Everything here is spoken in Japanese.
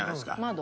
窓？